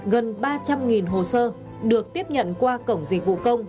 gần ba trăm linh hồ sơ được tiếp nhận qua cổng dịch vụ công